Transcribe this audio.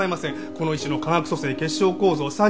この石の化学組成結晶構造産地。